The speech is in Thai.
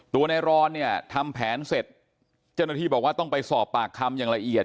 ตัวในรอนเนี่ยทำแผนเสร็จเจ้าหน้าที่บอกว่าต้องไปสอบปากคำอย่างละเอียด